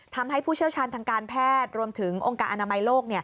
ผู้เชี่ยวชาญทางการแพทย์รวมถึงองค์การอนามัยโลก